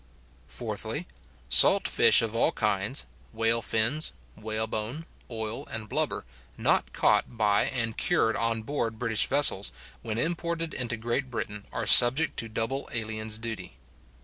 Fourthly, Salt fish of all kinds, whale fins, whalebone, oil, and blubber, not caught by and cured on board British vessels, when imported into Great Britain, are subject to double aliens duty.